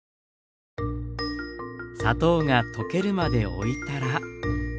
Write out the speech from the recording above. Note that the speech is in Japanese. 砂糖が溶けるまでおいたら。